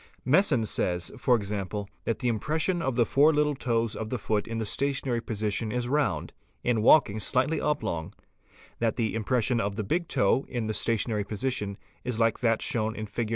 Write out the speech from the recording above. Messon says, for example, _ that the impression of the four ) little toes of the foot in the "stationary position is round, in walking slightly oblong; that the impression of the big toe, in the stationary position, is like that shown in fig.